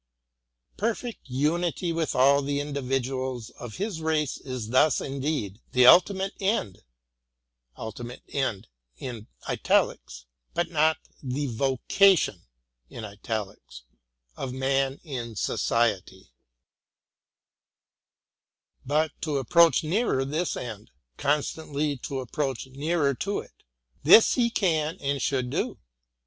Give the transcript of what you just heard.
Perfect unity with all the individuals of his race is thus indeed the ultimate end, but not the vo cation of man in Society. But to approach nearer this end, — constantly to ap proach nearer to it, — this he can and should do.